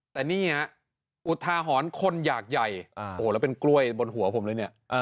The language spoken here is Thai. แต่นี่ฮะอุทาหรณ์คนอยากใหญ่โอ้โหแล้วเป็นกล้วยบนหัวผมเลยเนี่ย